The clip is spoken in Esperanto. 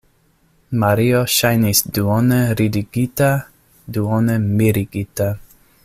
Mario ŝajnis duone ridigita, duone mirigita.